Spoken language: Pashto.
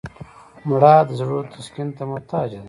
مړه د زړونو تسکین ته محتاجه ده